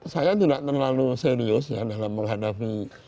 saya tidak terlalu serius ya dalam menghadapi